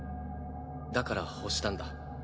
だから欲したんだ。